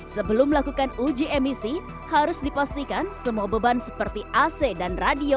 sebelum melakukan uji emisi harus dipastikan semua beban seperti ac dan radio